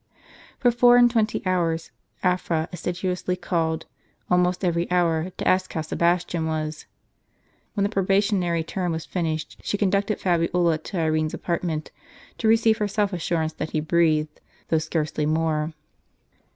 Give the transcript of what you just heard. For four and twenty hours Afra assiduously called, almost every hour, to ask how Sebastian was. When the probation ary term was finished, she conducted Fabiola to Irene's apart ment, to receive herself assurance that he breathed, though scarcely more.